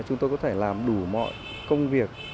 chúng tôi có thể làm đủ mọi công việc